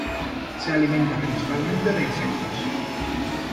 Se alimenta principalmente de insectos.